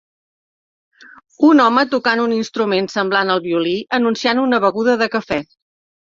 Un home tocant un instrument semblant al violí anunciant una beguda de cafè.